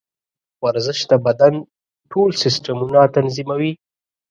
ورزش د بدن ټول سیسټمونه تنظیموي.